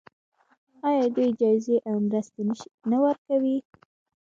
آیا دوی جایزې او مرستې نه ورکوي؟